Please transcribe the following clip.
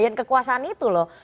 jadi kekuasaan itu loh